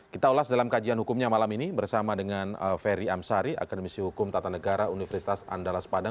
kita ulas dalam kajian hukumnya malam ini bersama dengan ferry amsari akademisi hukum tata negara universitas andalas padang